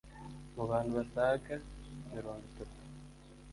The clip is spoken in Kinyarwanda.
mu bantu basaga mirongo itatu